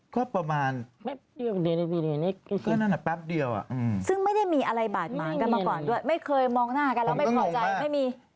ก็ประมาณแป๊บเดียวซึ่งไม่ได้มีอะไรบาดหมางกันมาก่อนด้วยไม่เคยมองหน้ากันแล้วไม่พอใจไม่มี